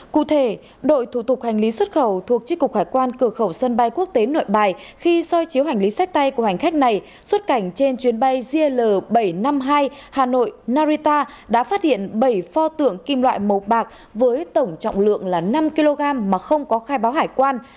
cụ thể đội thủ tục hành lý xuất khẩu thuộc tri cục hải quan cửa khẩu sân bay quốc tế nội bài khi soi chiếu hành lý sách tay của hành khách này xuất cảnh trên chuyến bay gl bảy trăm năm mươi hai hà nội narita đã phát hiện bảy pho tượng kim loại màu bạc với tổng trọng lượng là năm kg mà không có khai báo hải quan